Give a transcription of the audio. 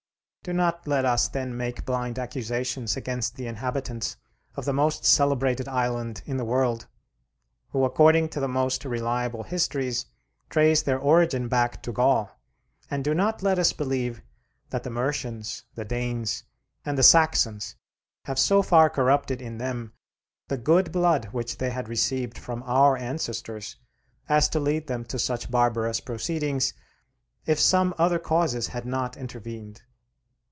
Do not let us then make blind accusations against the inhabitants of the most celebrated island in the world, who according to the most reliable histories trace their origin back to Gaul; and do not let us believe that the Mercians, the Danes, and the Saxons have so far corrupted in them the good blood which they had received from our ancestors as to lead them to such barbarous proceedings, if some other causes had not intervened.